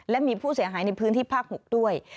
และมีผู้เสียหายในพื้นที่ภาค๖ด้วย